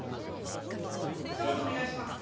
ひと言お願いします。